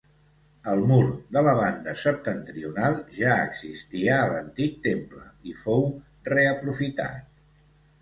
El mur de la banda septentrional ja existia a l'antic temple i fou reaprofitat.